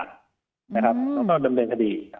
แล้วก็ดำเนินคดี